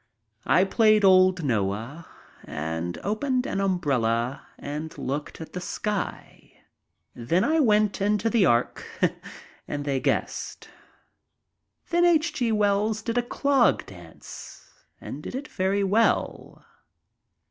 I played old Noah and opened an umbrella and looked at the sky. Then I went into the ark and they guessed. Then H. G. Wells did a clog dance, and did it very well.